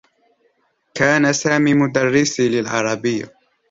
كان سامي مدرّسي للعربيّة.